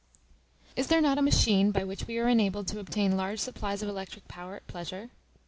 Is there not a machine by which we are enabled to obtain large supplies of electric power at pleasure?